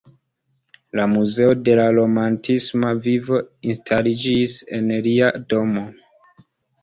La Muzeo de la romantisma vivo instaliĝis en lia domo.